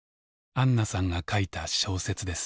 あんなさんが書いた小説です。